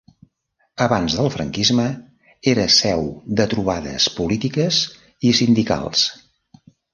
Abans del franquisme era seu de trobades polítiques i sindicals.